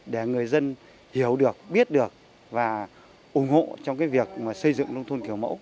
để người dân hiểu được biết được và ủng hộ trong việc xây dựng nông thôn kiểu mẫu